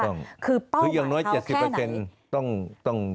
คือเป้าหมายเขาแค่ไหนคือยังน้อยจะสิบเปอร์เซ็นต์ต้อง